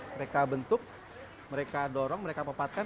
mereka bentuk mereka dorong mereka pepatkan